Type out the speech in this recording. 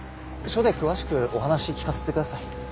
署で詳しくお話聞かせてください。